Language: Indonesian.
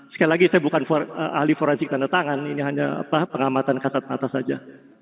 sekali lagi saya bukan ahli forensik tanda tangan ini hanya pengamatan kasat mata saja